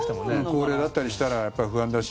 高齢だったりしたらやっぱり不安だし。